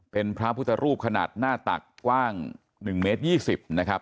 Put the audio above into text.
เป็นพระพุทธรูปขนาดหน้าตักกว้าง๑เมตร๒๐นะครับ